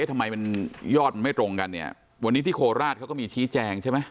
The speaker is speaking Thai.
ทำไมมันยอดมันไม่ตรงกันเนี่ยวันนี้ที่โคราชเขาก็มีชี้แจงใช่ไหม